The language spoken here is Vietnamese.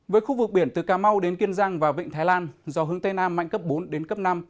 với khu vực biển từ cà mau đến kiên giang và vịnh thái lan gió hướng tây nam mạnh cấp bốn đến cấp năm